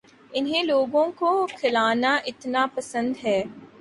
انھیں لوگوں کو کھلانا اتنا پسند ہے